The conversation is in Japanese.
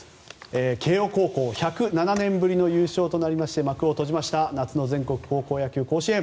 慶応高校１０７年ぶりの優勝となりまして幕を閉じました夏の全国高校野球、甲子園。